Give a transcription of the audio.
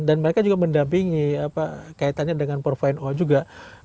dan mereka juga mendampingi kaitannya dengan profile o juga